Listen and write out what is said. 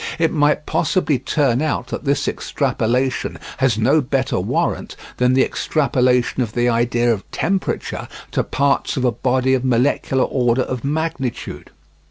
It might possibly turn out that this extrapolation has no better warrant than the extrapolation of the idea of temperature to parts of a body of molecular order of magnitude.